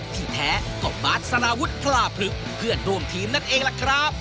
ที่แท้ก็บาสสารวุฒิพลาพลึกเพื่อนร่วมทีมนั่นเองล่ะครับ